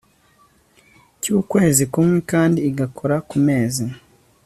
cyukwezi kumwe kandi igakora mu mezi